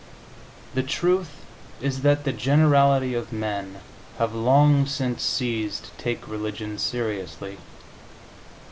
The truth is that the generality of men have long since ceased to take religion seriously.